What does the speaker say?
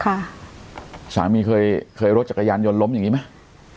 สามีเคยเคยรถจักรยานยนต์ล้มอย่างงี้ไหม